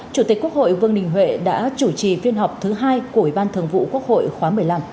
chủ tịch quốc hội vương đình huệ đã chủ trì phiên họp thứ hai của ủy ban thường vụ quốc hội khóa một mươi năm